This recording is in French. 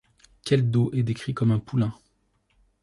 Keldeo est décrit comme un poulain.